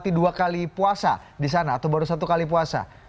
oke kemudian seperti apa